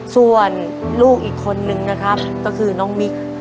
ส่วนลูกอีกคนนึงนะครับก็คือน้องมิก